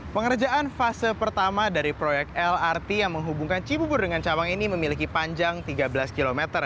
pengerjaan fase pertama dari proyek lrt yang menghubungkan cibubur dengan cawang ini memiliki panjang tiga belas km